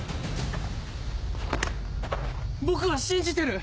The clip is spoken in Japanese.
僕は信じてる！